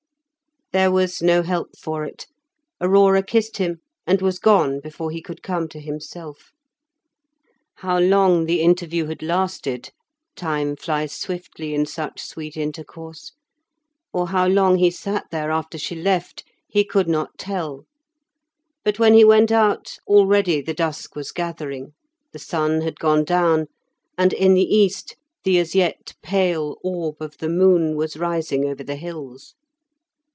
There was no help for it; Aurora kissed him, and was gone before he could come to himself. How long the interview had lasted (time flies swiftly in such sweet intercourse), or how long he sat there after she left, he could not tell; but when he went out already the dusk was gathering, the sun had gone down, and in the east the as yet pale orb of the moon was rising over the hills.